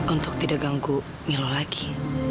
untuk tidak ganggu mi lo lagi